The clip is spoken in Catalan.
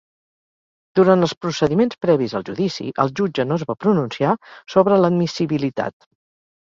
Durant els procediments previs al judici, el jutge no es va pronunciar sobre l'admissibilitat.